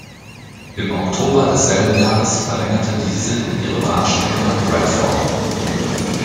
Im Oktober desselben Jahres verlängerte diese ihre Bahnstrecke nach Bradford.